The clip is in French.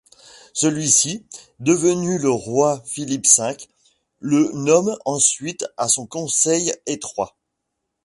Celui-ci, devenu le roi Philippe V, le nomme ensuite à son conseil étroit.